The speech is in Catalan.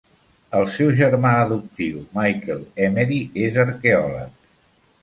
El seu germà adoptiu, Michael Emery, és arqueòleg.